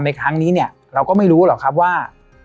ในครั้งนี้เนี่ยเราก็ไม่รู้หรอกครับว่า